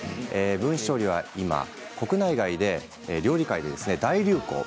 分子調理は今、国内外の料理界で大流行。